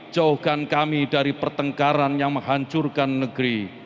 jauhkan kami dari pertengkaran yang menghancurkan negeri